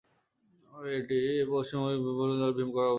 এটি পশ্চিমবঙ্গের বীরভূম জেলার ভীমগড়ায় অবস্থিত।